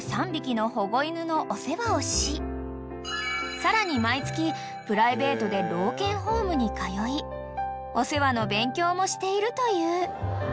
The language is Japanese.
［さらに毎月プライベートで老犬ホームに通いお世話の勉強もしているという］